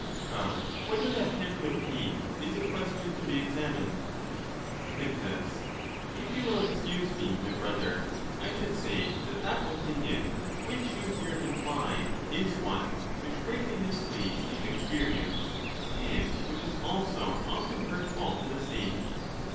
But whether that can be obtained is a question to be examined. Quintus.—If you will excuse me, my brother, I should say that that opinion which you here imply is one which greatly misleads the inexperienced, and which is also often hurtful to the state.